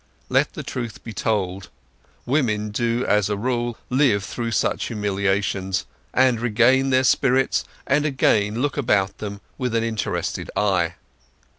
Let the truth be told—women do as a rule live through such humiliations, and regain their spirits, and again look about them with an interested eye.